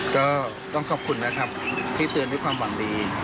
ก็ต้องขอบคุณนะครับที่เตือนด้วยความหวังดี